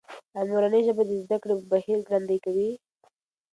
ایا مورنۍ ژبه د زده کړې بهیر ګړندی کوي؟